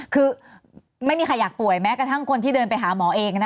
คือไม่มีใครอยากป่วยแม้กระทั่งคนที่เดินไปหาหมอเอง